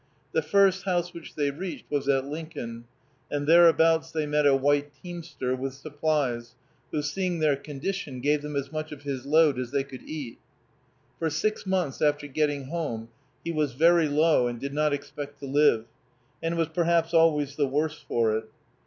The first house which they reached was at Lincoln, and thereabouts they met a white teamster with supplies, who, seeing their condition, gave them as much of his load as they could eat. For six months after getting home, he was very low, and did not expect to live, and was perhaps always the worse for it.